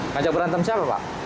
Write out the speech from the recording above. ngajak berantem siapa pak